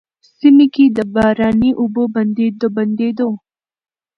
سيمه کي د باراني اوبو د بندېدو،